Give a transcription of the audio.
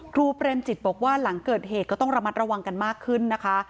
เปรมจิตบอกว่าหลังเกิดเหตุก็ต้องระมัดระวังกันมากขึ้นนะคะ